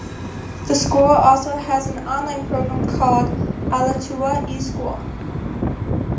The school also has an online program called Alachua eSchool.